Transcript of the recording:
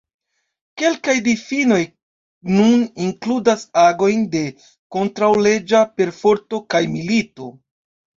Kelkaj difinoj nun inkludas agojn de kontraŭleĝa perforto kaj milito.